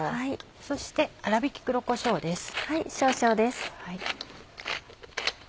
そして粗びき黒こしょうです。